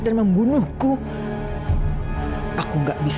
kapas penjredah lintas